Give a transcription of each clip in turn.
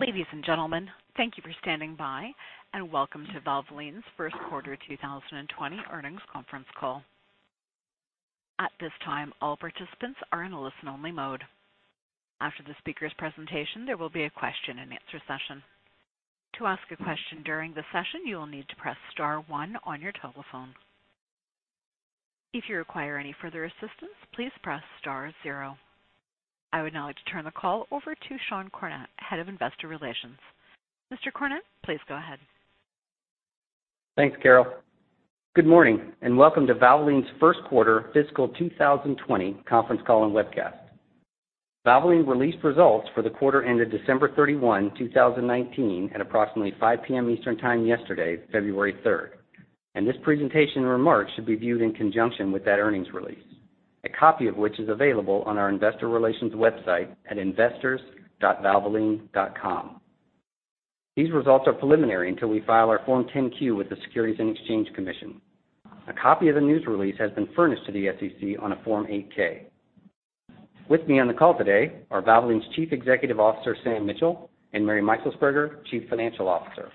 Ladies and gentlemen, thank you for standing by, and welcome to Valvoline's first quarter 2020 earnings conference call. At this time, all participants are in a listen-only mode. After the speaker's presentation, there will be a question and answer session. To ask a question during the session, you will need to press star one on your telephone. If you require any further assistance, please press star zero. I would now like to turn the call over to Sean Cornett, Head of Investor Relations. Mr. Cornett, please go ahead. Thanks, Carol. Good morning, and welcome to Valvoline's first quarter fiscal 2020 conference call and webcast. Valvoline released results for the quarter ended December 31, 2019 at approximately 5:00 P.M. Eastern Time yesterday, February 3rd. This presentation remarks should be viewed in conjunction with that earnings release, a copy of which is available on our investor relations website at investors.valvoline.com. These results are preliminary until we file our Form 10-Q with the Securities and Exchange Commission. A copy of the news release has been furnished to the SEC on a Form 8-K. With me on the call today are Valvoline's Chief Executive Officer, Sam Mitchell, and Mary Meixelsperger, Chief Financial Officer.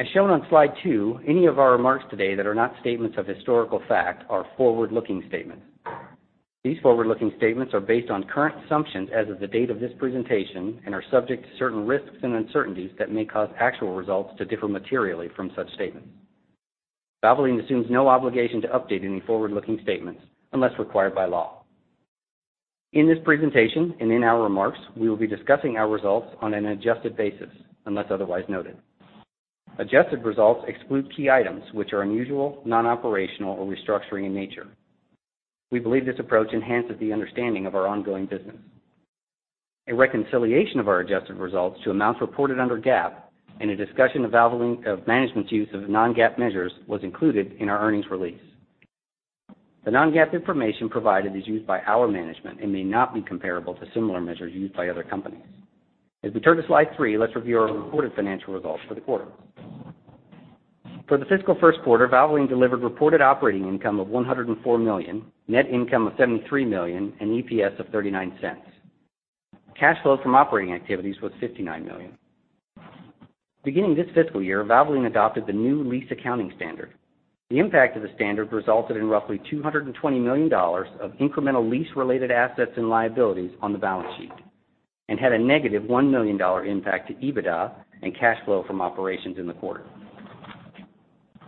As shown on slide two, any of our remarks today that are not statements of historical fact are forward-looking statements. These forward-looking statements are based on current assumptions as of the date of this presentation and are subject to certain risks and uncertainties that may cause actual results to differ materially from such statements. Valvoline assumes no obligation to update any forward-looking statements unless required by law. In this presentation and in our remarks, we will be discussing our results on an adjusted basis, unless otherwise noted. Adjusted results exclude key items which are unusual, non-operational, or restructuring in nature. We believe this approach enhances the understanding of our ongoing business. A reconciliation of our adjusted results to amounts reported under GAAP and a discussion of management's use of non-GAAP measures was included in our earnings release. The non-GAAP information provided is used by our management and may not be comparable to similar measures used by other companies. As we turn to slide three, let's review our reported financial results for the quarter. For the fiscal first quarter, Valvoline delivered reported operating income of $104 million, net income of $73 million, and EPS of $0.39. Cash flow from operating activities was $59 million. Beginning this fiscal year, Valvoline adopted the new lease accounting standard. The impact of the standard resulted in roughly $220 million of incremental lease related assets and liabilities on the balance sheet and had a negative $1 million impact to EBITDA and cash flow from operations in the quarter.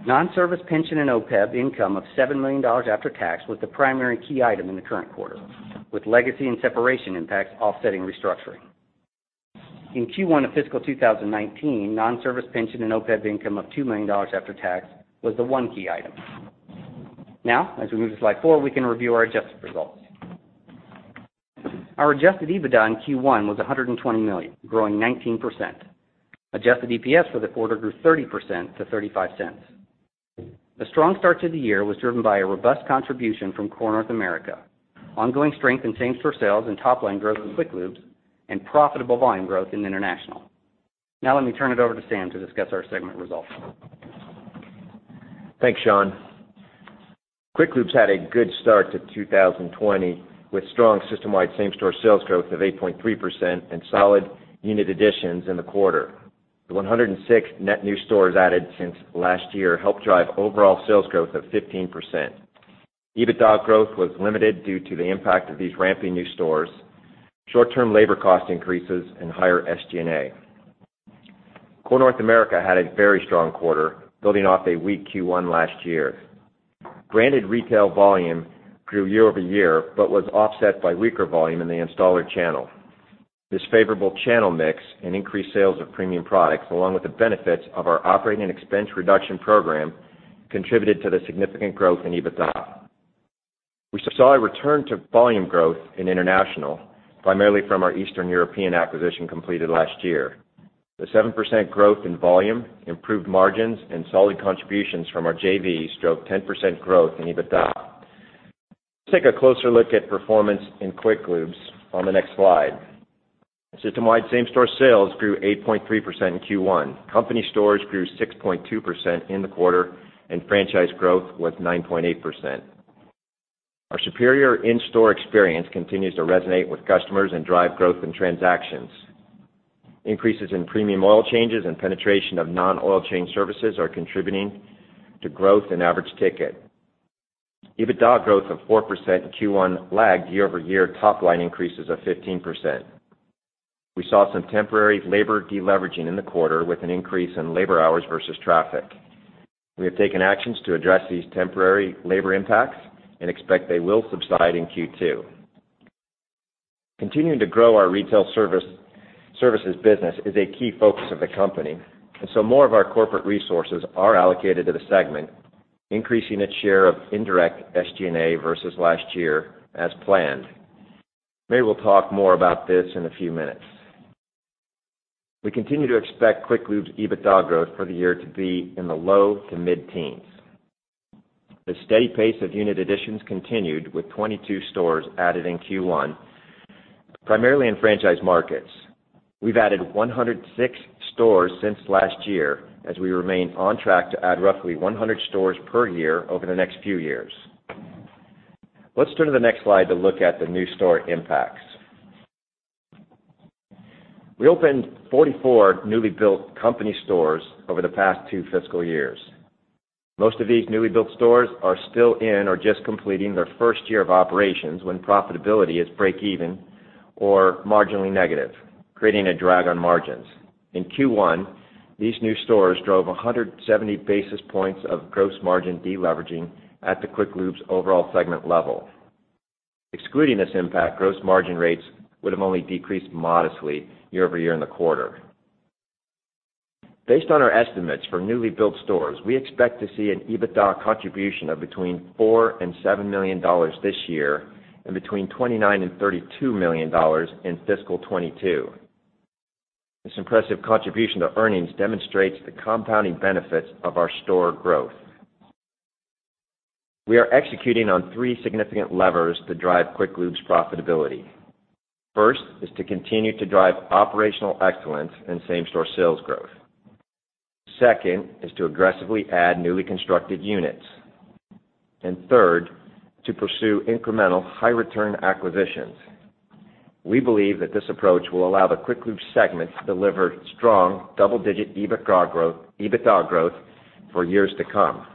Non-service pension and OPEB income of $7 million after tax was the primary key item in the current quarter, with legacy and separation impacts offsetting restructuring. In Q1 of fiscal 2019, non-service pension and OPEB income of $2 million after tax was the one key item. As we move to slide four, we can review our adjusted results. Our adjusted EBITDA in Q1 was $120 million, growing 19%. Adjusted EPS for the quarter grew 30% to $0.35. The strong start to the year was driven by a robust contribution from Core North America, ongoing strength in same-store sales and top line growth in Quick Lubes, and profitable volume growth in international. Let me turn it over to Sam to discuss our segment results. Thanks, Sean. Quick Lubes had a good start to 2020, with strong system-wide same-store sales growth of 8.3% and solid unit additions in the quarter. The 106 net new stores added since last year helped drive overall sales growth of 15%. EBITDA growth was limited due to the impact of these ramping new stores, short-term labor cost increases, and higher SG&A. Core North America had a very strong quarter, building off a weak Q1 last year. Branded retail volume grew year-over-year, but was offset by weaker volume in the installer channel. This favorable channel mix and increased sales of premium products, along with the benefits of our operating and expense reduction program, contributed to the significant growth in EBITDA. We saw a return to volume growth in international, primarily from our Eastern European acquisition completed last year. The 7% growth in volume, improved margins, and solid contributions from our JVs drove 10% growth in EBITDA. Let's take a closer look at performance in Quick Lubes on the next slide. System-wide same-store sales grew 8.3% in Q1. Company stores grew 6.2% in the quarter, and franchise growth was 9.8%. Our superior in-store experience continues to resonate with customers and drive growth in transactions. Increases in premium oil changes and penetration of non-oil change services are contributing to growth in average ticket. EBITDA growth of 4% in Q1 lagged year-over-year top line increases of 15%. We saw some temporary labor de-leveraging in the quarter, with an increase in labor hours versus traffic. We have taken actions to address these temporary labor impacts and expect they will subside in Q2. Continuing to grow our retail services business is a key focus of the company, and so more of our corporate resources are allocated to the segment, increasing its share of indirect SG&A versus last year as planned. Mary will talk more about this in a few minutes. We continue to expect Quick Lubes EBITDA growth for the year to be in the low to mid-teens. The steady pace of unit additions continued with 22 stores added in Q1, primarily in franchise markets. We've added 106 stores since last year as we remain on track to add roughly 100 stores per year over the next few years. Let's turn to the next slide to look at the new store impacts. We opened 44 newly built company stores over the past two fiscal years. Most of these newly built stores are still in or just completing their first year of operations when profitability is breakeven or marginally negative, creating a drag on margins. In Q1, these new stores drove 170 basis points of gross margin de-leveraging at the Quick Lubes overall segment level. Excluding this impact, gross margin rates would have only decreased modestly year-over-year in the quarter. Based on our estimates for newly built stores, we expect to see an EBITDA contribution of between $4 million and $7 million this year and between $29 million and $32 million in fiscal 2022. This impressive contribution to earnings demonstrates the compounding benefits of our store growth. We are executing on three significant levers to drive Quick Lubes profitability. First is to continue to drive operational excellence and same-store sales growth. Second is to aggressively add newly constructed units. Third, to pursue incremental high-return acquisitions. We believe that this approach will allow the Quick Lubes segment to deliver strong double-digit EBITDA growth for years to come.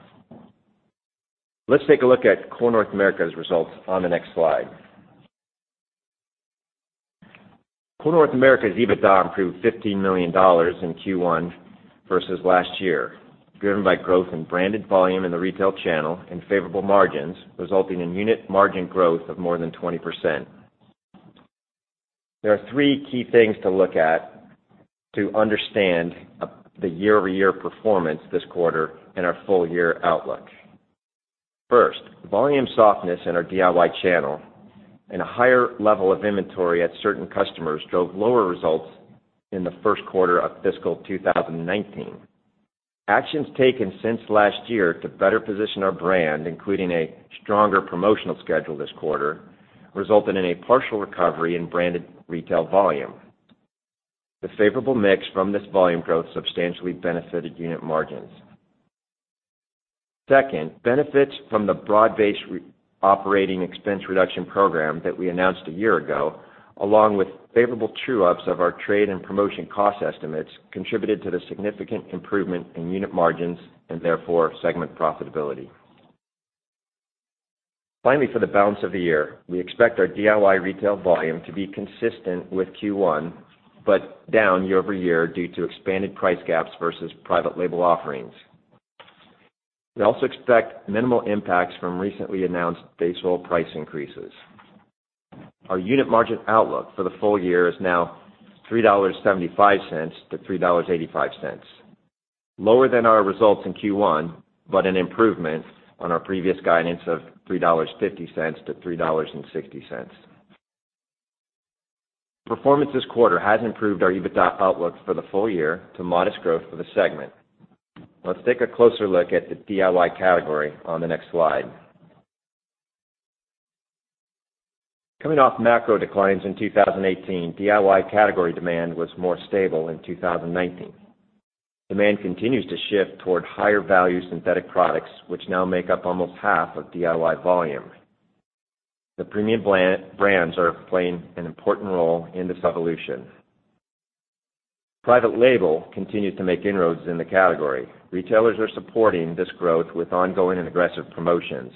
Let's take a look at Core North America's results on the next slide. Core North America's EBITDA improved $15 million in Q1 versus last year, driven by growth in branded volume in the retail channel and favorable margins, resulting in unit margin growth of more than 20%. There are three key things to look at to understand the year-over-year performance this quarter and our full-year outlook. First, volume softness in our DIY channel and a higher level of inventory at certain customers drove lower results in the first quarter of fiscal 2019. Actions taken since last year to better position our brand, including a stronger promotional schedule this quarter, resulted in a partial recovery in branded retail volume. The favorable mix from this volume growth substantially benefited unit margins. Second, benefits from the broad-based operating expense reduction program that we announced a year ago, along with favorable true-ups of our trade and promotion cost estimates, contributed to the significant improvement in unit margins and therefore segment profitability. Finally, for the balance of the year, we expect our DIY retail volume to be consistent with Q1, but down year-over-year due to expanded price gaps versus private label offerings. We also expect minimal impacts from recently announced base oil price increases. Our unit margin outlook for the full year is now $3.75-$3.85, lower than our results in Q1, but an improvement on our previous guidance of $3.50-$3.60. Performance this quarter has improved our EBITDA outlook for the full year to modest growth for the segment. Let's take a closer look at the DIY category on the next slide. Coming off macro declines in 2018, DIY category demand was more stable in 2019. Demand continues to shift toward higher value synthetic products, which now make up almost half of DIY volume. The premium brands are playing an important role in this evolution. Private label continued to make inroads in the category. Retailers are supporting this growth with ongoing and aggressive promotions.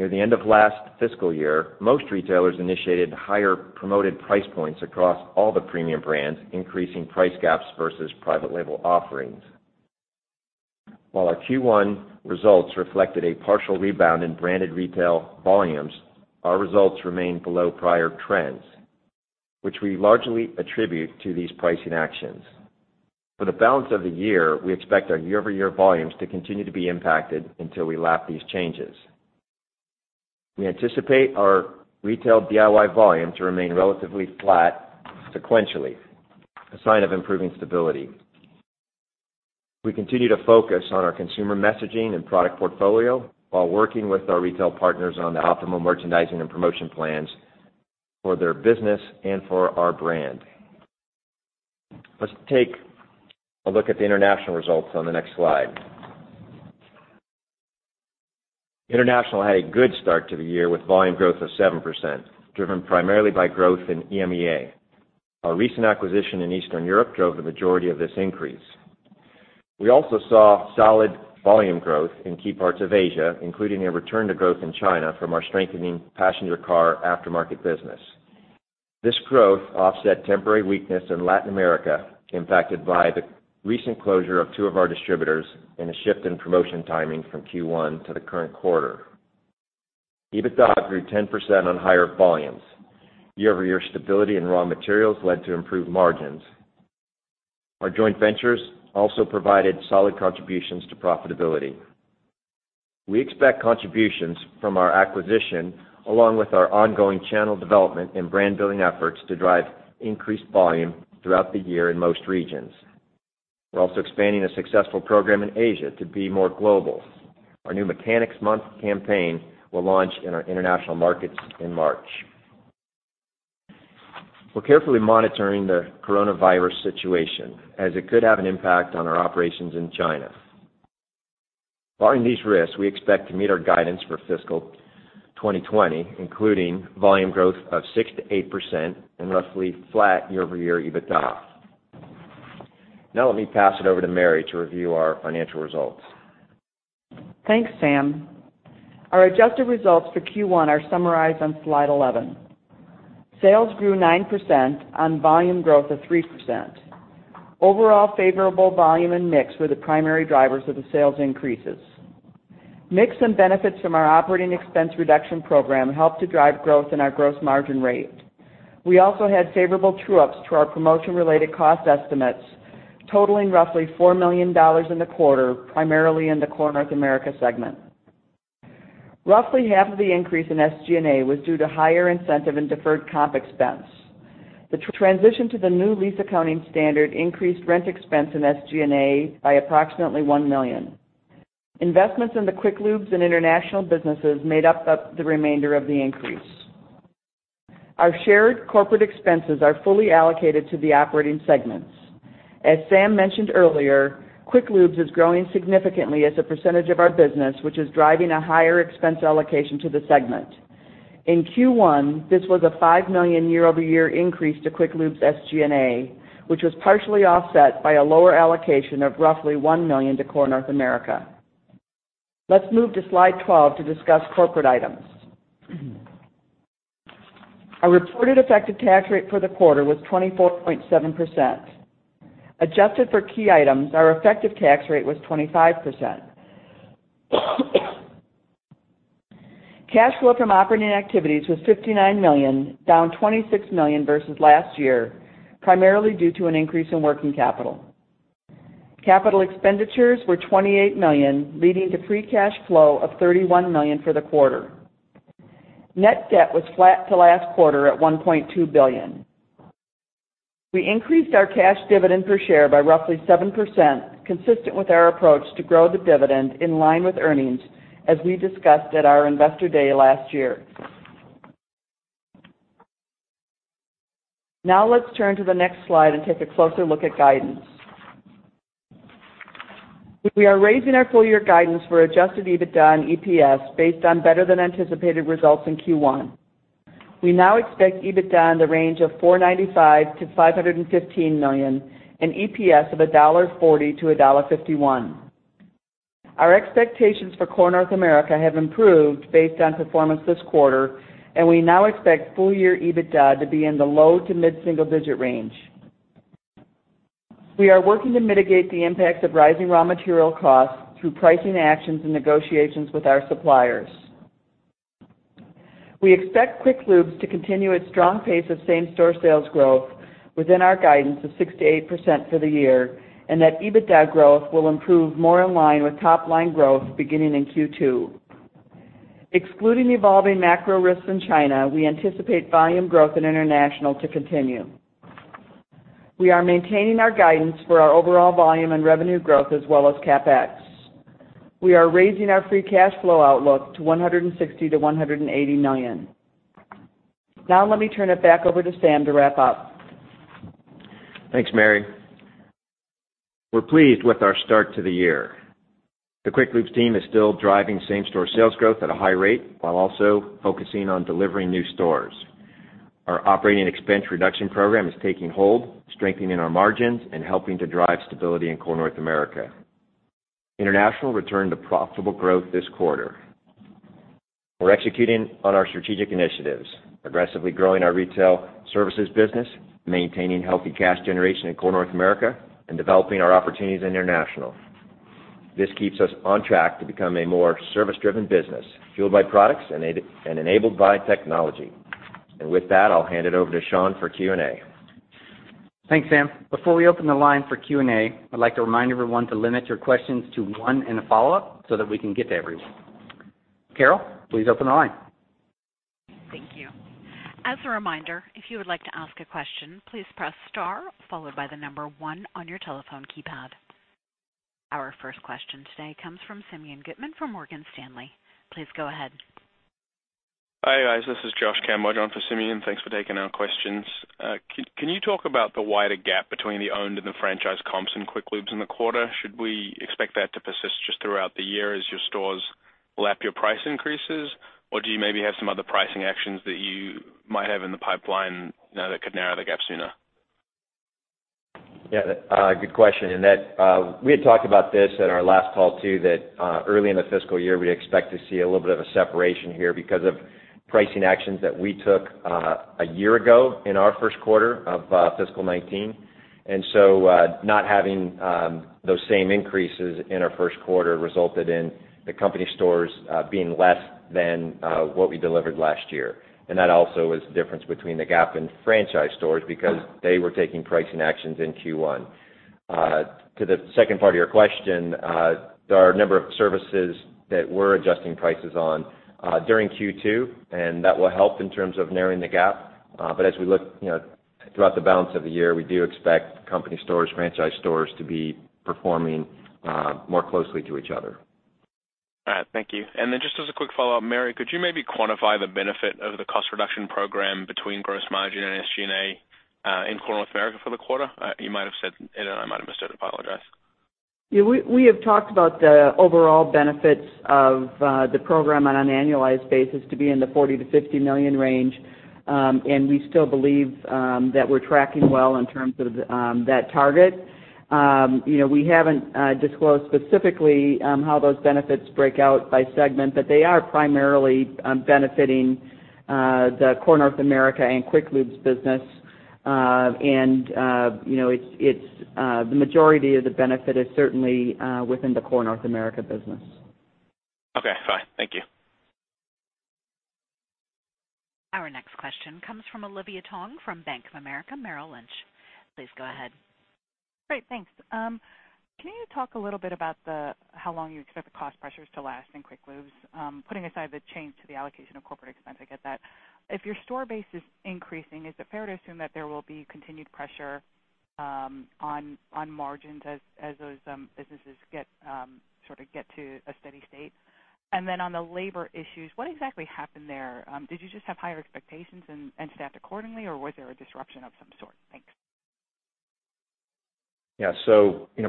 Near the end of last fiscal year, most retailers initiated higher promoted price points across all the premium brands, increasing price gaps versus private label offerings. While our Q1 results reflected a partial rebound in branded retail volumes, our results remained below prior trends, which we largely attribute to these pricing actions. For the balance of the year, we expect our year-over-year volumes to continue to be impacted until we lap these changes. We anticipate our retail DIY volume to remain relatively flat sequentially, a sign of improving stability. We continue to focus on our consumer messaging and product portfolio while working with our retail partners on the optimal merchandising and promotion plans for their business and for our brand. Let's take a look at the International results on the next slide. International had a good start to the year with volume growth of 7%, driven primarily by growth in EMEA. Our recent acquisition in Eastern Europe drove the majority of this increase. We also saw solid volume growth in key parts of Asia, including a return to growth in China from our strengthening passenger car aftermarket business. This growth offset temporary weakness in Latin America, impacted by the recent closure of two of our distributors and a shift in promotion timing from Q1 to the current quarter. EBITDA grew 10% on higher volumes. Year-over-year stability in raw materials led to improved margins. Our joint ventures also provided solid contributions to profitability. We expect contributions from our acquisition, along with our ongoing channel development and brand building efforts, to drive increased volume throughout the year in most regions. We're also expanding a successful program in Asia to be more global. Our new Mechanics' Month campaign will launch in our international markets in March. We're carefully monitoring the coronavirus situation, as it could have an impact on our operations in China. Barring these risks, we expect to meet our guidance for fiscal 2020, including volume growth of 6%-8% and roughly flat year-over-year EBITDA. Let me pass it over to Mary to review our financial results. Thanks, Sam. Our adjusted results for Q1 are summarized on slide 11. Sales grew 9% on volume growth of 3%. Overall favorable volume and mix were the primary drivers of the sales increases. Mix and benefits from our operating expense reduction program helped to drive growth in our gross margin rate. We also had favorable true-ups to our promotion-related cost estimates, totaling roughly $4 million in the quarter, primarily in the Core North America segment. Roughly half of the increase in SG&A was due to higher incentive and deferred comp expense. The transition to the new lease accounting standard increased rent expense in SG&A by approximately $1 million. Investments in the Quick Lubes and international businesses made up the remainder of the increase. Our shared corporate expenses are fully allocated to the operating segments. As Sam mentioned earlier, Quick Lubes is growing significantly as a percentage of our business, which is driving a higher expense allocation to the segment. In Q1, this was a $5 million year-over-year increase to Quick Lubes SG&A, which was partially offset by a lower allocation of roughly $1 million to Core North America. Let's move to slide 12 to discuss corporate items. Our reported effective tax rate for the quarter was 24.7%. Adjusted for key items, our effective tax rate was 25%. Cash flow from operating activities was $59 million, down $26 million versus last year, primarily due to an increase in working capital. Capital expenditures were $28 million, leading to free cash flow of $31 million for the quarter. Net debt was flat to last quarter at $1.2 billion. We increased our cash dividend per share by roughly 7%, consistent with our approach to grow the dividend in line with earnings, as we discussed at our Investor Day last year. Let's turn to the next slide and take a closer look at guidance. We are raising our full-year guidance for adjusted EBITDA and EPS based on better-than-anticipated results in Q1. We now expect EBITDA in the range of $495 million-$515 million and EPS of $1.40-$1.51. Our expectations for Core North America have improved based on performance this quarter. We now expect full-year EBITDA to be in the low to mid-single-digit range. We are working to mitigate the impacts of rising raw material costs through pricing actions and negotiations with our suppliers. We expect Quick Lubes to continue its strong pace of same-store sales growth within our guidance of 6%-8% for the year and that EBITDA growth will improve more in line with top-line growth beginning in Q2. Excluding the evolving macro risks in China, we anticipate volume growth in International to continue. We are maintaining our guidance for our overall volume and revenue growth as well as CapEx. We are raising our free cash flow outlook to $160 million-$180 million. Let me turn it back over to Sam to wrap up. Thanks, Mary. We're pleased with our start to the year. The Quick Lubes team is still driving same-store sales growth at a high rate while also focusing on delivering new stores. Our operating expense reduction program is taking hold, strengthening our margins and helping to drive stability in Core North America. International returned to profitable growth this quarter. We're executing on our strategic initiatives, aggressively growing our retail services business, maintaining healthy cash generation in Core North America, and developing our opportunities in International. This keeps us on track to become a more service-driven business, fueled by products and enabled by technology. With that, I'll hand it over to Sean for Q&A. Thanks, Sam. Before we open the line for Q&A, I'd like to remind everyone to limit your questions to one and a follow-up so that we can get to everyone. Carol, please open the line. Thank you. As a reminder, if you would like to ask a question, please press star followed by 1 on your telephone keypad. Our first question today comes from Simeon Gutman from Morgan Stanley. Please go ahead. Hi, guys. This is Josh Kamboj on for Simeon. Thanks for taking our questions. Can you talk about the wider gap between the owned and the franchise comps in Quick Lubes in the quarter? Should we expect that to persist just throughout the year as your stores lap your price increases? Do you maybe have some other pricing actions that you might have in the pipeline now that could narrow the gap sooner? Yeah. Good question. We had talked about this at our last call, too, that early in the fiscal year, we'd expect to see a little bit of a separation here because of pricing actions that we took a year ago in our first quarter of fiscal 2019. Not having those same increases in our first quarter resulted in the company stores being less than what we delivered last year. That also is the difference between the gap in franchise stores because they were taking pricing actions in Q1. To the second part of your question, there are a number of services that we're adjusting prices on during Q2, that will help in terms of narrowing the gap. As we look throughout the balance of the year, we do expect company stores, franchise stores to be performing more closely to each other. All right. Thank you. Just as a quick follow-up, Mary, could you maybe quantify the benefit of the cost reduction program between gross margin and SGA in Core North America for the quarter? You might have said it, and I might have missed it. I apologize. Yeah. We have talked about the overall benefits of the program on an annualized basis to be in the $40 million-$50 million range. We still believe that we're tracking well in terms of that target. We haven't disclosed specifically how those benefits break out by segment, but they are primarily benefiting the Core North America and Quick Lubes business. The majority of the benefit is certainly within the Core North America business. Okay, fine. Thank you. Our next question comes from Olivia Tong from Bank of America Merrill Lynch. Please go ahead. Great, thanks. Can you talk a little bit about how long you expect the cost pressures to last in Quick Lubes? Putting aside the change to the allocation of corporate expense, I get that. If your store base is increasing, is it fair to assume that there will be continued pressure on margins as those businesses sort of get to a steady state? Then on the labor issues, what exactly happened there? Did you just have higher expectations and staffed accordingly, or was there a disruption of some sort? Thanks.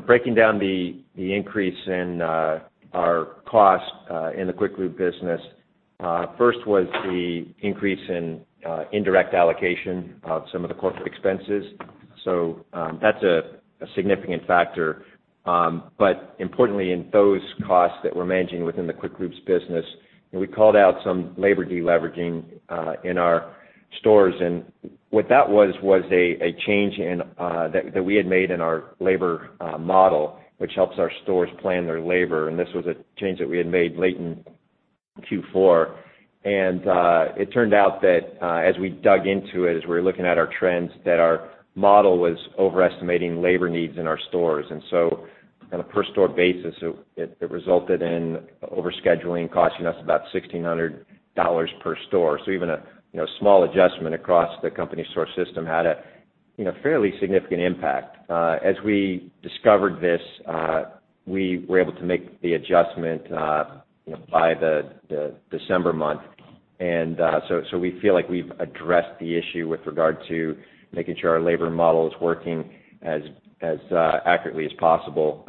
Breaking down the increase in our cost in the Quick Lubes business, first was the increase in indirect allocation of some of the corporate expenses. That's a significant factor. Importantly, in those costs that we're managing within the Quick Lubes business, we called out some labor de-leveraging in our stores. What that was a change that we had made in our labor model, which helps our stores plan their labor. This was a change that we had made late in Q4. It turned out that as we dug into it, as we were looking at our trends, that our model was overestimating labor needs in our stores. On a per store basis, it resulted in overscheduling costing us about $1,600 per store. Even a small adjustment across the company store system had a fairly significant impact. As we discovered this, we were able to make the adjustment by the December month. We feel like we've addressed the issue with regard to making sure our labor model is working as accurately as possible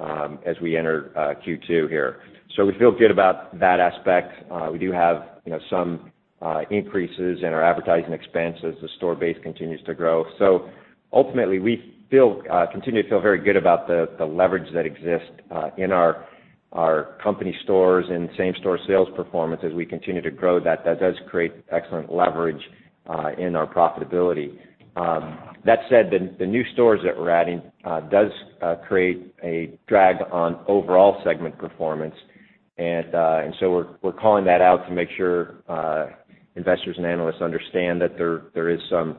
as we enter Q2 here. We feel good about that aspect. We do have some increases in our advertising expense as the store base continues to grow. Ultimately, we continue to feel very good about the leverage that exists in our company stores and same store sales performance. As we continue to grow that does create excellent leverage in our profitability. That said, the new stores that we're adding does create a drag on overall segment performance. We're calling that out to make sure investors and analysts understand that there is some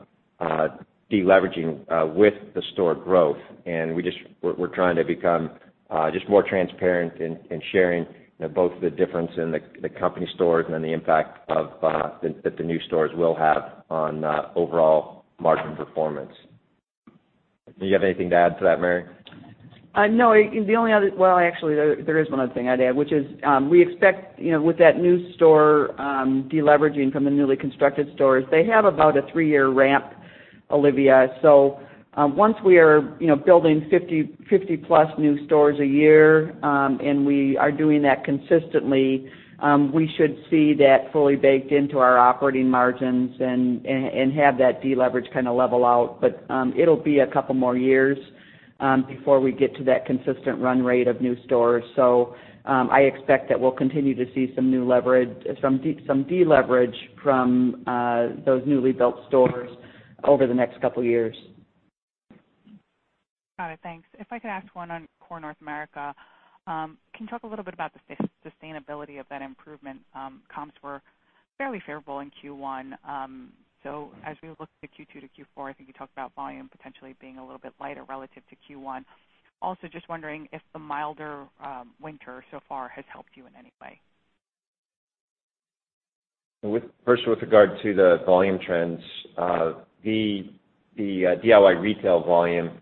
de-leveraging with the store growth. We're trying to become just more transparent in sharing both the difference in the company stores and the impact that the new stores will have on overall margin performance. Do you have anything to add to that, Mary? No. Well, actually, there is one other thing I'd add, which is we expect with that new store de-leveraging from the newly constructed stores, they have about a three-year ramp, Olivia. Once we are building 50+ new stores a year, and we are doing that consistently, we should see that fully baked into our operating margins and have that de-leverage kind of level out. It'll be a couple more years before we get to that consistent run rate of new stores. I expect that we'll continue to see some de-leverage from those newly built stores over the next couple of years. Got it. Thanks. If I could ask one on Core North America. Can you talk a little bit about the sustainability of that improvement? Comps were fairly favorable in Q1. As we look to Q2 to Q4, I think you talked about volume potentially being a little bit lighter relative to Q1. Also, just wondering if the milder winter so far has helped you in any way. First, with regard to the volume trends, the DIY retail volume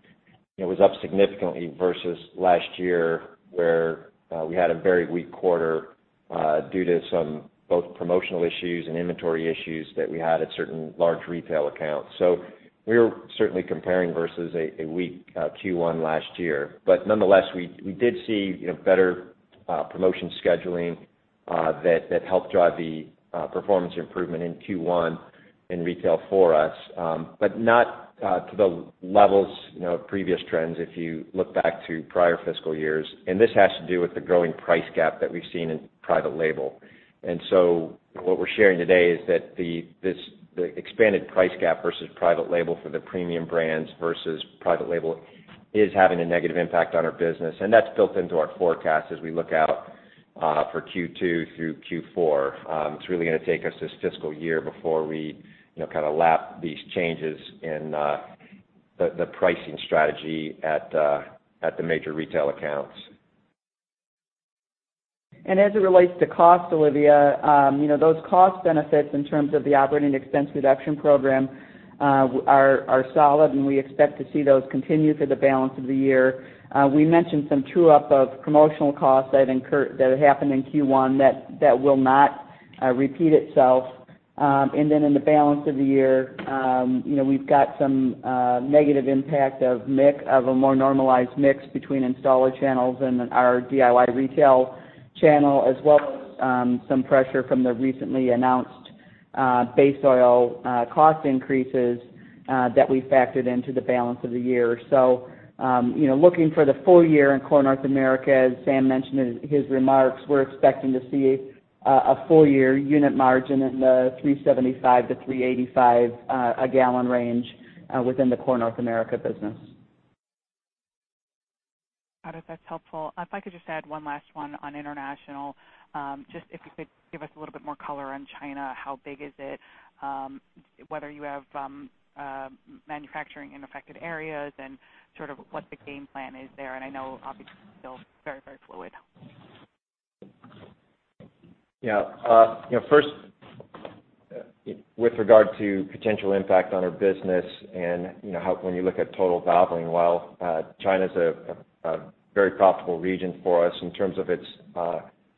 was up significantly versus last year, where we had a very weak quarter due to some both promotional issues and inventory issues that we had at certain large retail accounts. We were certainly comparing versus a weak Q1 last year. Nonetheless, we did see better promotion scheduling that helped drive the performance improvement in Q1 in retail for us. Not to the levels of previous trends if you look back to prior fiscal years. This has to do with the growing price gap that we've seen in private label. What we're sharing today is that the expanded price gap versus private label for the premium brands versus private label is having a negative impact on our business, and that's built into our forecast as we look out for Q2 through Q4. It's really going to take us this fiscal year before we kind of lap these changes in the pricing strategy at the major retail accounts. As it relates to cost, Olivia, those cost benefits in terms of the operating expense reduction program are solid, and we expect to see those continue through the balance of the year. We mentioned some true-up of promotional costs that happened in Q1 that will not repeat itself. In the balance of the year, we've got some negative impact of a more normalized mix between installer channels and our DIY retail channel, as well as some pressure from the recently announced base oil cost increases that we factored into the balance of the year. Looking for the full year in Core North America, as Sam mentioned in his remarks, we're expecting to see a full-year unit margin in the $3.75-$3.85 a gallon range within the Core North America business. Got it, that's helpful. If I could just add one last one on international, just if you could give us a little bit more color on China, how big is it, whether you have manufacturing in affected areas, and sort of what the game plan is there. I know obviously it's still very fluid. Yeah. First, with regard to potential impact on our business and when you look at total Valvoline, while China's a very profitable region for us in terms of its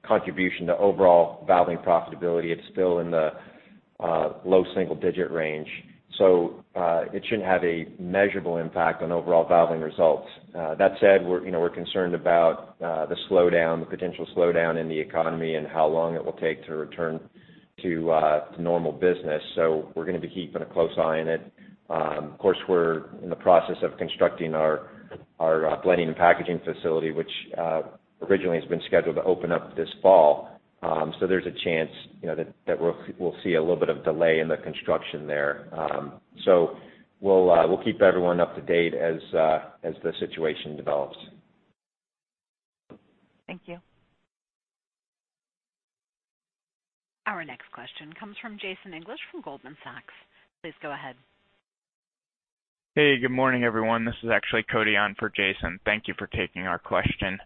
contribution to overall Valvoline profitability, it's still in the low single-digit range. It shouldn't have a measurable impact on overall Valvoline results. That said, we're concerned about the potential slowdown in the economy and how long it will take to return to normal business. We're going to be keeping a close eye on it. Of course, we're in the process of constructing our blending and packaging facility, which originally has been scheduled to open up this fall. There's a chance that we'll see a little bit of delay in the construction there. We'll keep everyone up to date as the situation develops. Thank you. Our next question comes from Jason English from Goldman Sachs. Please go ahead. Good morning, everyone. This is actually Cody on for Jason. Thank you for taking our question.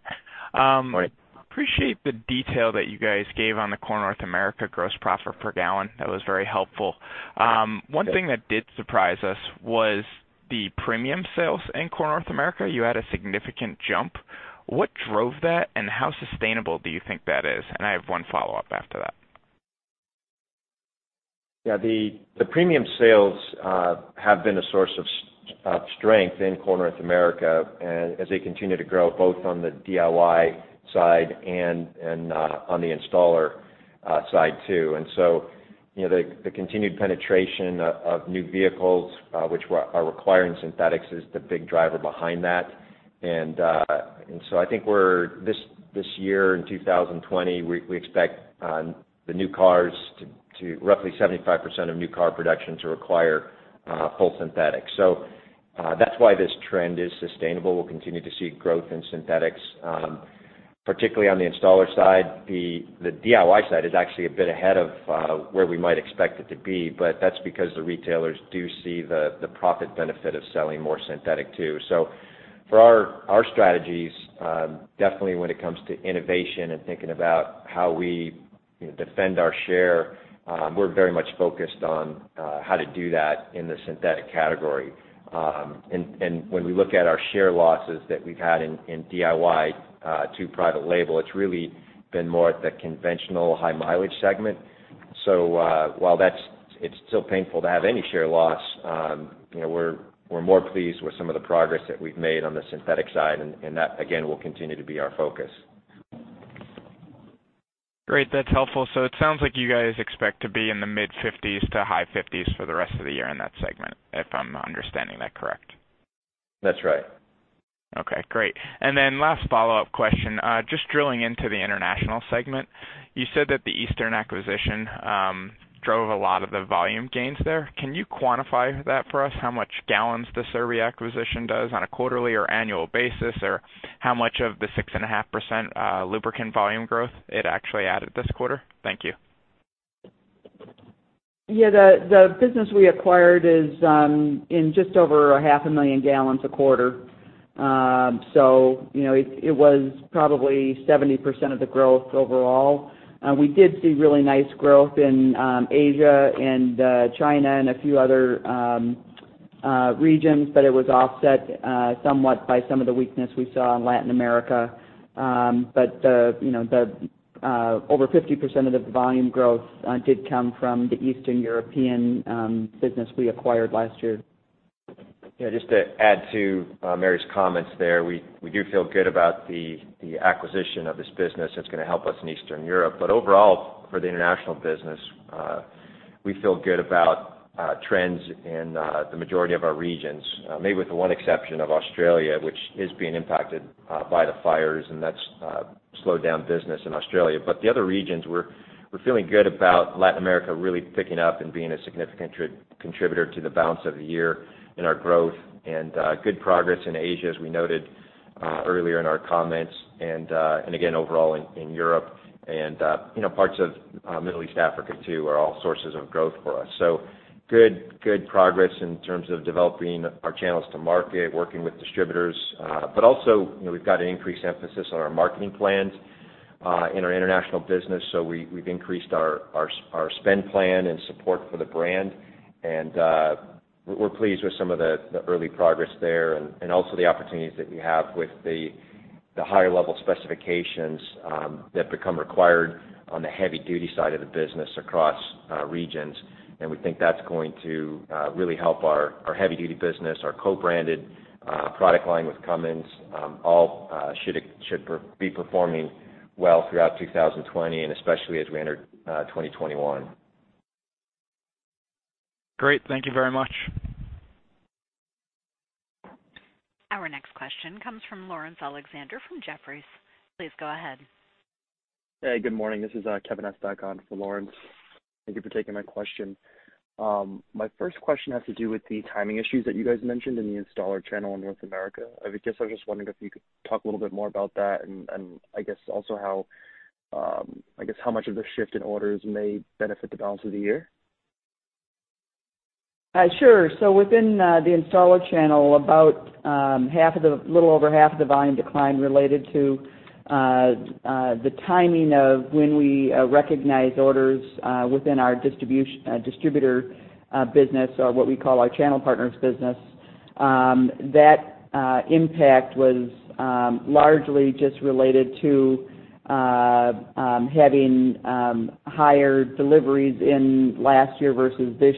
Morning. Appreciate the detail that you guys gave on the Core North America gross profit per gallon. That was very helpful. One thing that did surprise us was the premium sales in Core North America. You had a significant jump. What drove that, and how sustainable do you think that is? I have one follow-up after that. Yeah. The premium sales have been a source of strength in Core North America as they continue to grow, both on the DIY side and on the installer side, too. The continued penetration of new vehicles, which are requiring synthetics is the big driver behind that. I think this year, in 2020, we expect roughly 75% of new car production to require full synthetic. That's why this trend is sustainable. We'll continue to see growth in synthetics, particularly on the installer side. The DIY side is actually a bit ahead of where we might expect it to be, but that's because the retailers do see the profit benefit of selling more synthetic, too. For our strategies, definitely when it comes to innovation and thinking about how we defend our share, we're very much focused on how to do that in the synthetic category. When we look at our share losses that we've had in DIY to private label, it's really been more at the conventional high mileage segment. While it's still painful to have any share loss, we're more pleased with some of the progress that we've made on the synthetic side, and that again, will continue to be our focus. Great. That's helpful. It sounds like you guys expect to be in the mid-50s to high 50s for the rest of the year in that segment, if I'm understanding that correct. That's right. Okay, great. Last follow-up question, just drilling into the international segment, you said that the Eastern acquisition drove a lot of the volume gains there. Can you quantify that for us, how much gallons the Eastern acquisition does on a quarterly or annual basis, or how much of the 6.5% lubricant volume growth it actually added this quarter? Thank you. The business we acquired is in just over a half a million gallons a quarter. It was probably 70% of the growth overall. We did see really nice growth in Asia and China and a few other regions, it was offset somewhat by some of the weakness we saw in Latin America. Over 50% of the volume growth did come from the Eastern European business we acquired last year. Just to add to Mary's comments there, we do feel good about the acquisition of this business. It's going to help us in Eastern Europe. Overall, for the international business, we feel good about trends in the majority of our regions. Maybe with the one exception of Australia, which is being impacted by the fires, and that's slowed down business in Australia. The other regions, we're feeling good about Latin America really picking up and being a significant contributor to the balance of the year in our growth. Good progress in Asia, as we noted earlier in our comments. Again, overall in Europe and parts of Middle East Africa, too, are all sources of growth for us. Good progress in terms of developing our channels to market, working with distributors. Also, we've got an increased emphasis on our marketing plans in our international business, we've increased our spend plan and support for the brand. We're pleased with some of the early progress there, also the opportunities that we have with the higher level specifications that become required on the heavy duty side of the business across regions. We think that's going to really help our heavy duty business, our co-branded product line with Cummins, all should be performing well throughout 2020, especially as we enter 2021. Great. Thank you very much. Our next question comes from Laurence Alexander from Jefferies. Please go ahead. Hey, good morning. This is Kevin Estok on for Laurence. Thank you for taking my question. My first question has to do with the timing issues that you guys mentioned in the installer channel in North America. I was just wondering if you could talk a little bit more about that, and how much of the shift in orders may benefit the balance of the year? Sure. Within the installer channel, about a little over half of the volume decline related to the timing of when we recognize orders within our distributor business, or what we call our channel partners business. That impact was largely just related to having higher deliveries in last year versus this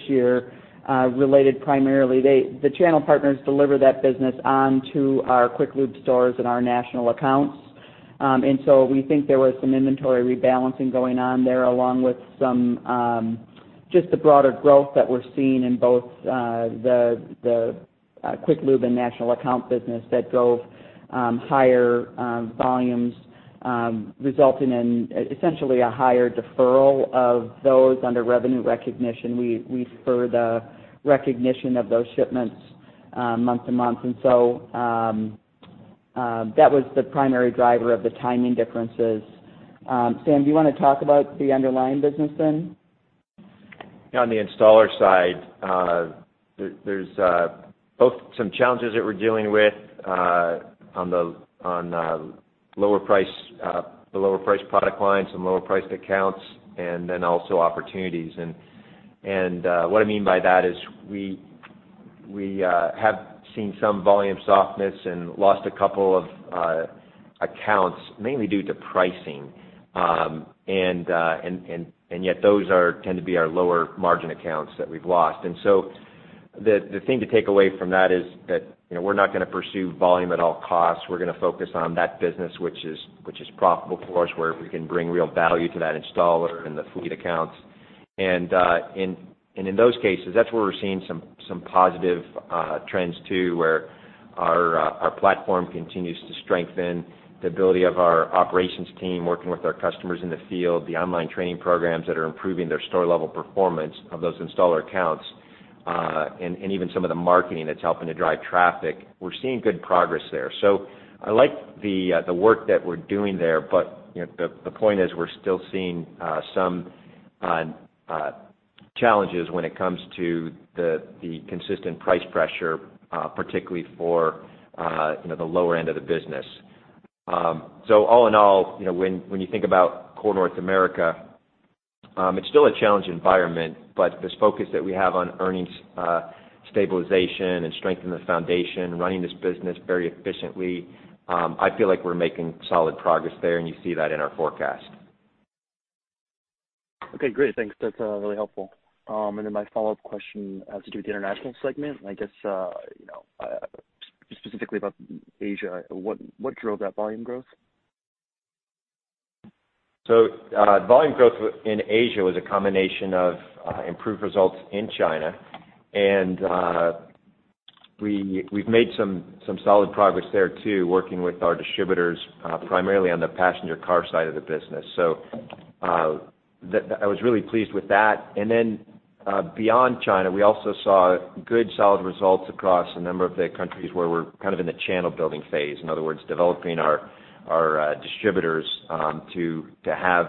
year, related primarily, the channel partners deliver that business onto our Quick Lube stores and our national accounts. We think there was some inventory rebalancing going on there, along with just the broader growth that we're seeing in both the Quick Lube and national account business that drove higher volumes, resulting in essentially a higher deferral of those under revenue recognition. We defer the recognition of those shipments month to month. That was the primary driver of the timing differences. Sam, do you want to talk about the underlying business then? On the installer side, there's both some challenges that we're dealing with on the lower priced product lines and lower priced accounts, and then also opportunities. What I mean by that is we have seen some volume softness and lost a couple of accounts, mainly due to pricing. Yet those tend to be our lower margin accounts that we've lost. The thing to take away from that is that we're not going to pursue volume at all costs. We're going to focus on that business which is profitable for us, where we can bring real value to that installer and the fleet accounts. In those cases, that's where we're seeing some positive trends too, where our platform continues to strengthen the ability of our operations team working with our customers in the field, the online training programs that are improving their store level performance of those installer accounts, and even some of the marketing that's helping to drive traffic. We're seeing good progress there. I like the work that we're doing there. The point is we're still seeing some challenges when it comes to the consistent price pressure, particularly for the lower end of the business. All in all, when you think about Core North America, it's still a challenging environment, but this focus that we have on earnings stabilization and strengthening the foundation, running this business very efficiently, I feel like we're making solid progress there, and you see that in our forecast. Okay, great. Thanks. That's really helpful. My follow-up question has to do with the international segment, I guess, specifically about Asia. What drove that volume growth? Volume growth in Asia was a combination of improved results in China, and we've made some solid progress there too, working with our distributors, primarily on the passenger car side of the business. I was really pleased with that. Beyond China, we also saw good, solid results across a number of the countries where we're kind of in the channel building phase. In other words, developing our distributors to have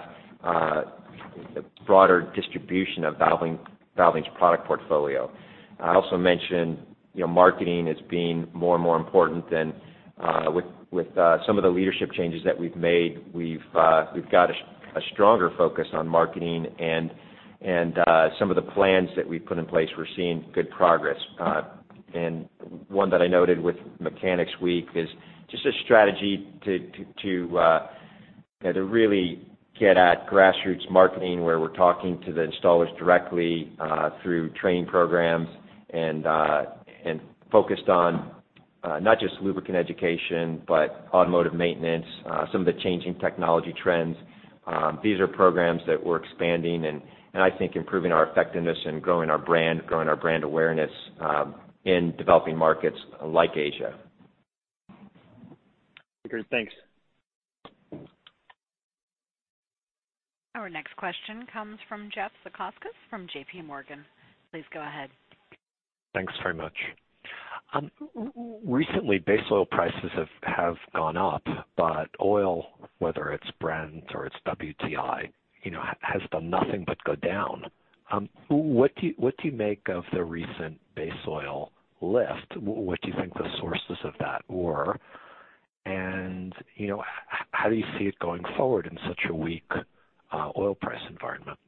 broader distribution of Valvoline's product portfolio. I also mentioned marketing as being more and more important than with some of the leadership changes that we've made. We've got a stronger focus on marketing and some of the plans that we've put in place, we're seeing good progress. One that I noted with Mechanics Week is just a strategy to really get at grassroots marketing, where we're talking to the installers directly through training programs and focused on not just lubricant education, but automotive maintenance, some of the changing technology trends. These are programs that we're expanding, and I think improving our effectiveness and growing our brand awareness in developing markets like Asia. Okay, great. Thanks. Our next question comes from Jeff Zekauskas from JPMorgan. Please go ahead. Thanks very much. Recently, base oil prices have gone up. Oil, whether it's Brent or it's WTI, has done nothing but go down. What do you make of the recent base oil lift? What do you think the sources of that were? How do you see it going forward in such a weak oil price environment?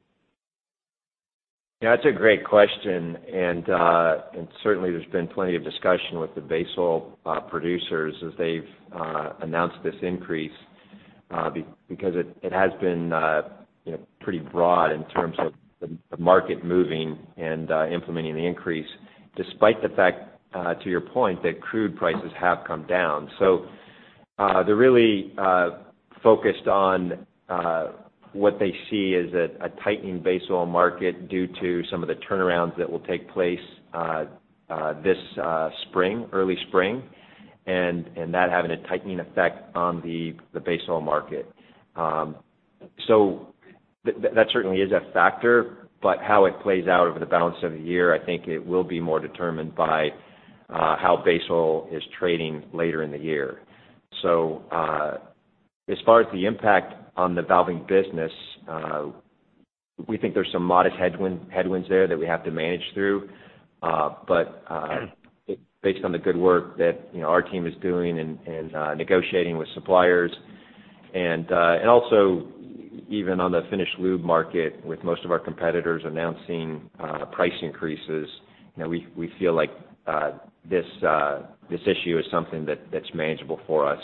It's a great question. Certainly, there's been plenty of discussion with the base oil producers as they've announced this increase, because it has been pretty broad in terms of the market moving and implementing the increase, despite the fact, to your point, that crude prices have come down. They're really focused on what they see as a tightening base oil market due to some of the turnarounds that will take place this early spring, and that having a tightening effect on the base oil market. That certainly is a factor. How it plays out over the balance of the year, I think it will be more determined by how base oil is trading later in the year. As far as the impact on the Valvoline business, we think there's some modest headwinds there that we have to manage through. Based on the good work that our team is doing and negotiating with suppliers, and also even on the finished lube market with most of our competitors announcing price increases, we feel like this issue is something that's manageable for us.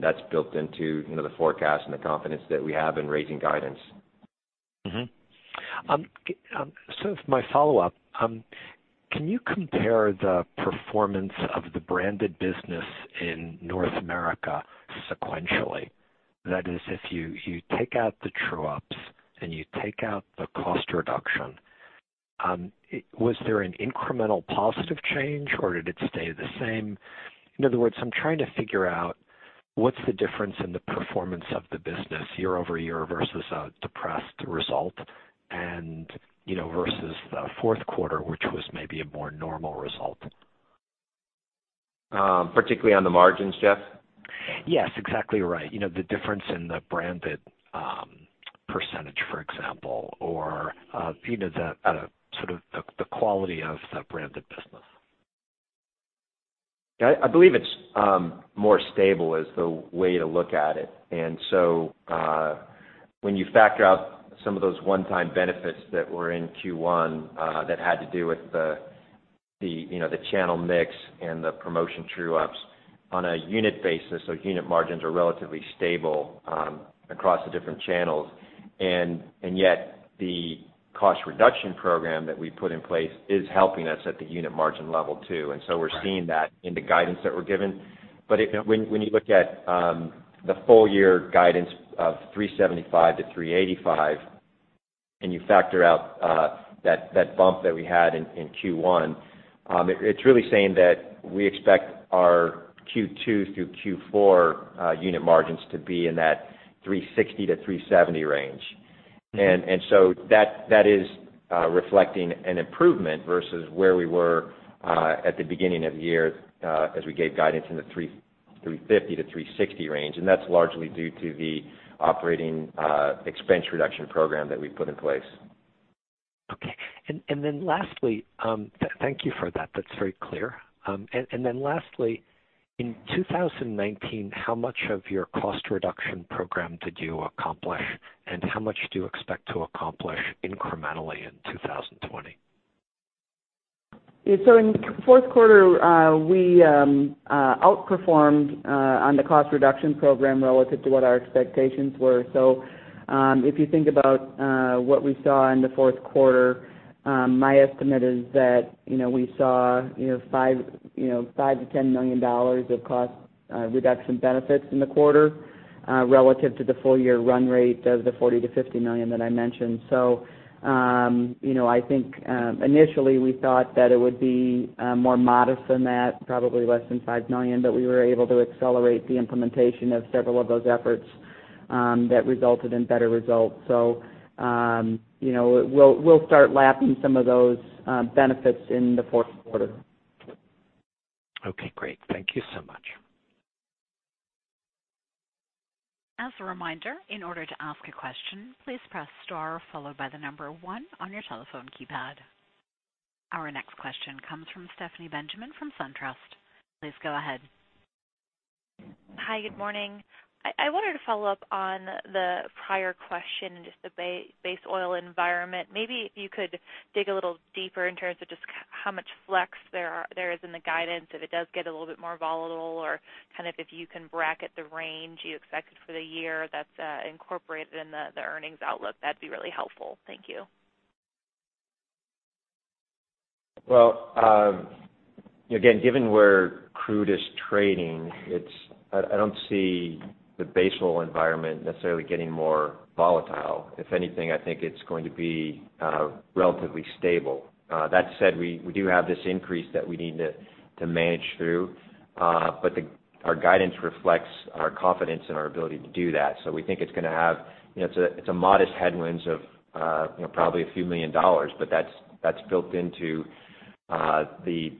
That's built into the forecast and the confidence that we have in raising guidance. Mm-hmm. For my follow-up, can you compare the performance of the branded business in North America sequentially? That is, if you take out the true-ups and you take out the cost reduction, was there an incremental positive change, or did it stay the same? In other words, I am trying to figure out what is the difference in the performance of the business year-over-year versus a depressed result and versus the fourth quarter, which was maybe a more normal result. Particularly on the margins, Jeff? Yes, exactly right. The difference in the branded percentage, for example, or the quality of the branded business. I believe it is more stable is the way to look at it. When you factor out some of those one-time benefits that were in Q1 that had to do with the channel mix and the promotion true-ups on a unit basis, unit margins are relatively stable across the different channels. Yet the cost reduction program that we put in place is helping us at the unit margin level, too. We are seeing that in the guidance that we are given. When you look at the full year guidance of $3.75-$3.85, and you factor out that bump that we had in Q1, it is really saying that we expect our Q2 through Q4 unit margins to be in that $3.60-$3.70 range. That is reflecting an improvement versus where we were at the beginning of the year as we gave guidance in the 350-360 range. That's largely due to the operating expense reduction program that we've put in place. Okay. Thank you for that. That's very clear. Lastly, in 2019, how much of your cost reduction program did you accomplish, and how much do you expect to accomplish incrementally in 2020? In the fourth quarter, we outperformed on the cost reduction program relative to what our expectations were. If you think about what we saw in the fourth quarter, my estimate is that we saw $5 million-$10 million of cost reduction benefits in the quarter relative to the full year run rate of the $40 million-$50 million that I mentioned. I think initially we thought that it would be more modest than that, probably less than $5 million, but we were able to accelerate the implementation of several of those efforts that resulted in better results. We'll start lapping some of those benefits in the fourth quarter. Okay, great. Thank you so much. As a reminder, in order to ask a question, please press star followed by the number one on your telephone keypad. Our next question comes from Stephanie Benjamin from SunTrust. Please go ahead. Hi, good morning. I wanted to follow up on the prior question, just the base oil environment. Maybe if you could dig a little deeper in terms of just how much flex there is in the guidance, if it does get a little bit more volatile, or if you can bracket the range you expect for the year that's incorporated in the earnings outlook, that'd be really helpful. Thank you. Well, again, given where crude is trading, I don't see the base oil environment necessarily getting more volatile. If anything, I think it's going to be relatively stable. That said, we do have this increase that we need to manage through. Our guidance reflects our confidence in our ability to do that. We think it's a modest headwinds of probably a few million dollars, but that's built into the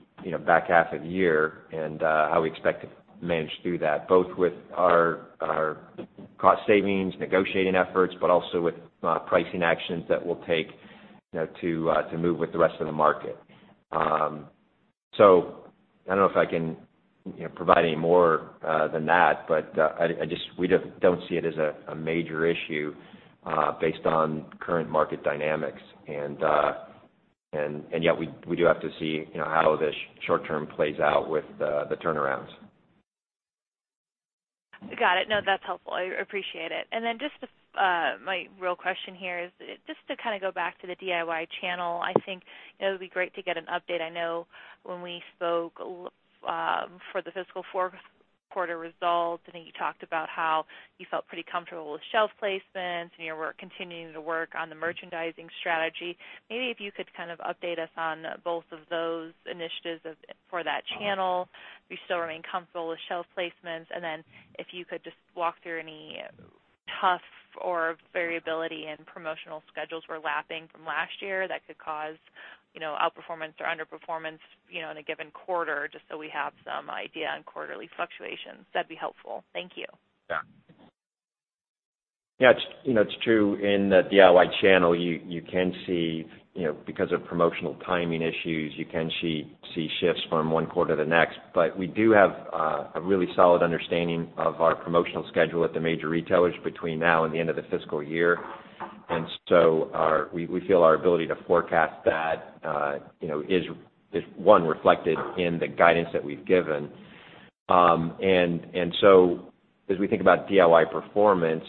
back half of the year and how we expect to manage through that, both with our cost savings, negotiating efforts, but also with pricing actions that we'll take to move with the rest of the market. I don't know if I can provide any more than that, but we don't see it as a major issue based on current market dynamics. Yet we do have to see how the short term plays out with the turnarounds. Got it. No, that's helpful. I appreciate it. Then just my real question here is just to kind of go back to the DIY channel. I think it would be great to get an update. I know when we spoke for the fiscal fourth quarter results, I think you talked about how you felt pretty comfortable with shelf placements and you were continuing to work on the merchandising strategy. Maybe if you could kind of update us on both of those initiatives for that channel. Do you still remain comfortable with shelf placements? Then if you could just walk through any tough or variability in promotional schedules we're lapping from last year that could cause outperformance or underperformance in a given quarter, just so we have some idea on quarterly fluctuations. That'd be helpful. Thank you. Yeah. It's true in the DIY channel, you can see because of promotional timing issues, you can see shifts from one quarter to the next. We do have a really solid understanding of our promotional schedule at the major retailers between now and the end of the fiscal year. We feel our ability to forecast that is one reflected in the guidance that we've given. As we think about DIY performance,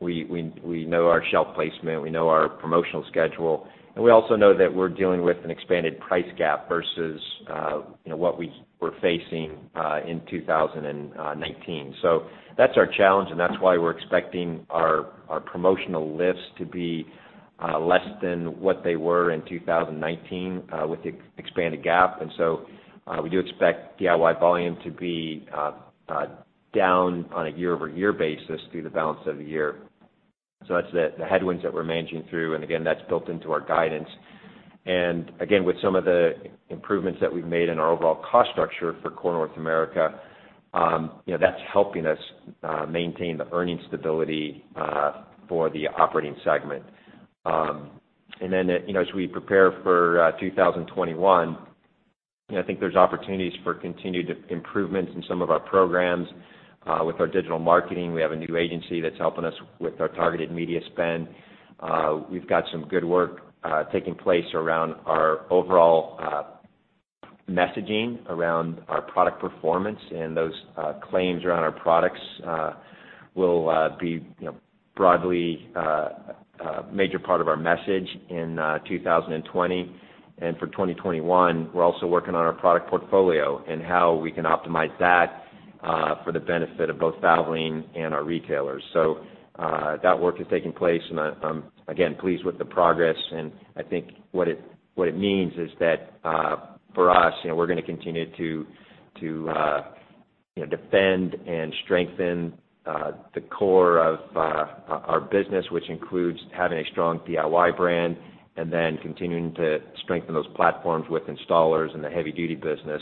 we know our shelf placement, we know our promotional schedule, and we also know that we're dealing with an expanded price gap versus what we were facing in 2019. That's our challenge, and that's why we're expecting our promotional lifts to be less than what they were in 2019 with the expanded gap. We do expect DIY volume to be down on a year-over-year basis through the balance of the year. That's the headwinds that we're managing through. Again, that's built into our guidance. Again, with some of the improvements that we've made in our overall cost structure for Core North America, that's helping us maintain the earnings stability for the operating segment. As we prepare for 2021, I think there's opportunities for continued improvements in some of our programs. With our digital marketing, we have a new agency that's helping us with our targeted media spend. We've got some good work taking place around our overall messaging around our product performance, and those claims around our products will be broadly a major part of our message in 2020. For 2021, we're also working on our product portfolio and how we can optimize that for the benefit of both Valvoline and our retailers. That work is taking place and I'm again pleased with the progress. I think what it means is that for us, we're going to continue to defend and strengthen the core of our business, which includes having a strong DIY brand and then continuing to strengthen those platforms with installers in the heavy duty business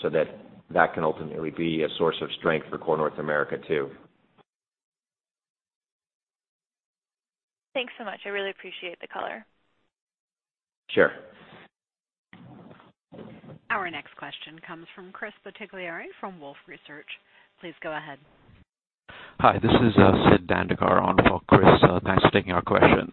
so that that can ultimately be a source of strength for Core North America too. Thanks so much. I really appreciate the color. Sure. Our next question comes from Chris Bottiglieri from Wolfe Research. Please go ahead. Hi, this is Siddharth Dandekar on for Chris. Thanks for taking our questions.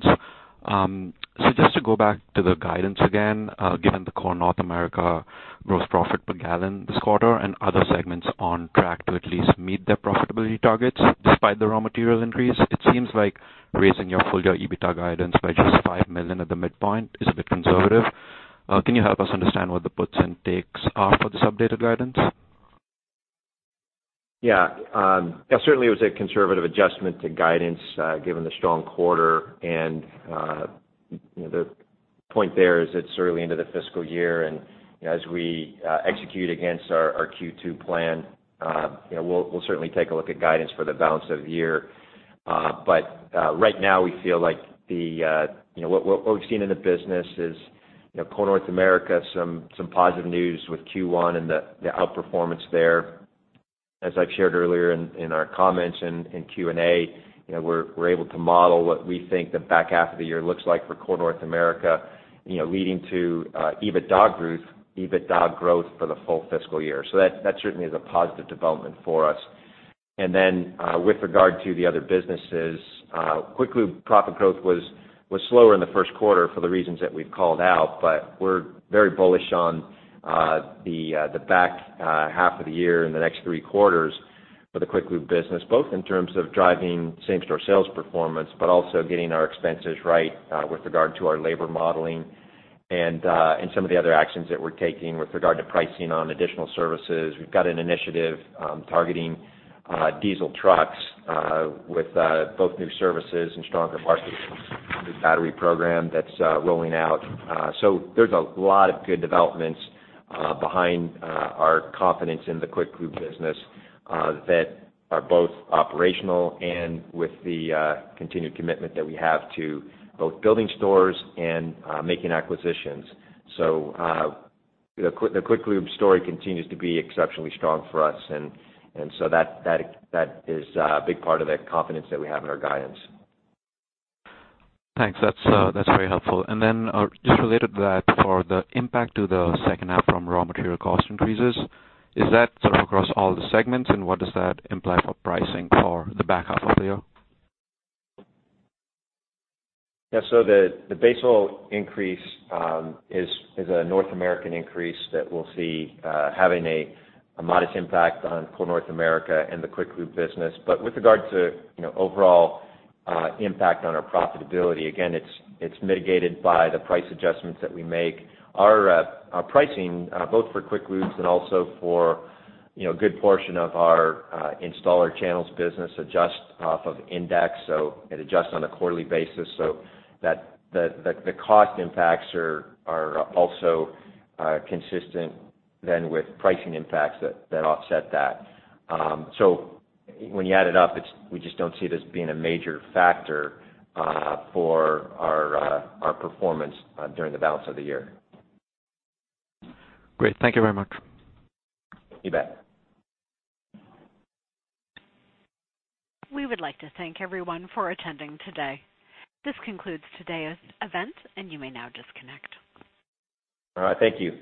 Just to go back to the guidance again. Given the Core North America gross profit per gallon this quarter and other segments on track to at least meet their profitability targets despite the raw material increase, it seems like raising your full year EBITDA guidance by just $5 million at the midpoint is a bit conservative. Can you help us understand what the puts and takes are for this updated guidance? Yeah. Certainly it was a conservative adjustment to guidance given the strong quarter. The point there is it's early into the fiscal year, as we execute against our Q2 plan, we'll certainly take a look at guidance for the balance of the year. Right now we feel like what we've seen in the business is Core North America, some positive news with Q1 and the outperformance there. As I've shared earlier in our comments in Q&A, we're able to model what we think the back half of the year looks like for Core North America leading to EBITDA growth for the full fiscal year. That certainly is a positive development for us. With regard to the other businesses, Quick Lube profit growth was slower in the first quarter for the reasons that we've called out. We're very bullish on the back half of the year and the next three quarters for the Quick Lube business, both in terms of driving same store sales performance, but also getting our expenses right with regard to our labor modeling and some of the other actions that we're taking with regard to pricing on additional services. We've got an initiative targeting diesel trucks with both new services and stronger margins, the battery program that's rolling out. There's a lot of good developments behind our confidence in the Quick Lube business that are both operational and with the continued commitment that we have to both building stores and making acquisitions. The Quick Lube story continues to be exceptionally strong for us, that is a big part of the confidence that we have in our guidance. Thanks. That's very helpful. Then just related to that, for the impact to the second half from raw material cost increases, is that sort of across all the segments? What does that imply for pricing for the back half of the year? Yeah. The base oil increase is a North American increase that we'll see having a modest impact on Core North America and the Quick Lube business. With regard to overall impact on our profitability, again, it's mitigated by the price adjustments that we make. Our pricing both for Quick Lubes and also for a good portion of our installer channels business adjusts off of index, it adjusts on a quarterly basis that the cost impacts are also consistent then with pricing impacts that offset that. When you add it up, we just don't see it as being a major factor for our performance during the balance of the year. Great. Thank you very much. You bet. We would like to thank everyone for attending today. This concludes today's event, and you may now disconnect. All right. Thank you.